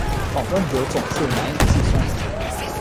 访问者总数难以计算。